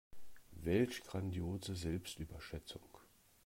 Welch grandiose Selbstüberschätzung.